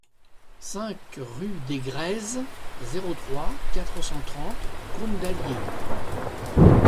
cinq rue des Grèzes, zéro trois, quatre cent trente Cosne-d'Allier